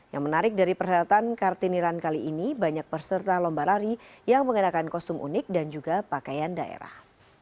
yang menarik dari perhelatan kartini run kali ini banyak peserta lomba lari yang mengenakan kostum unik dan juga pakaian daerah